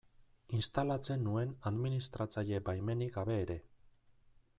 Instalatzen nuen administratzaile baimenik gabe ere.